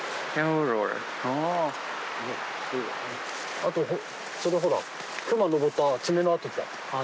あとそのほら熊登った爪の跡じゃん。